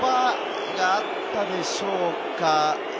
言葉があったでしょうか？